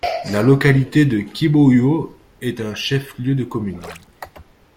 La localité de Kibouo est un chef-lieu de commune.